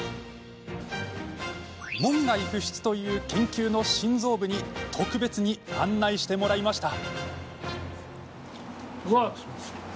門外不出という研究の心臓部に特別に案内してもらいました。